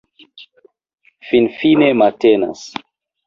Finfine matenas.